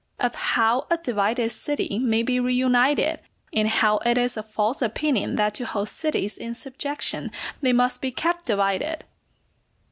—_How a divided City may be reunited, and how it is a false opinion that to hold Cities in subjection they must be kept divided.